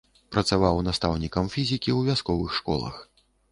Працаваў настаўнікам фізікі ў вясковых школах.